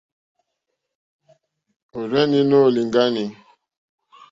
Òrzìɲɛ́ nóò lìŋɡáné.